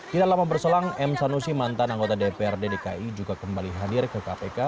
tidak lama berselang m sanusi mantan anggota dprd dki juga kembali hadir ke kpk